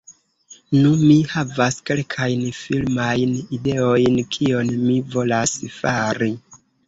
Nu, mi havas kelkajn filmajn ideojn kion mi volas fari